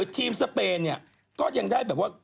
ทีมสเปนก็ยังได้แบบว่า